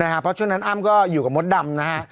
เพราะช่วงนั้นอ้ำก็อยู่กับมดดำนะฮะ